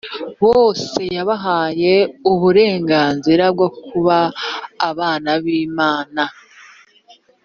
bose yabahaye uburenganzira bwo kuba abana b’imana